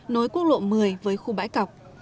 nối quốc lộ một mươi với khu bãi cọc